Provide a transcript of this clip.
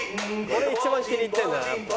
これ一番気に入ってるんだなやっぱ。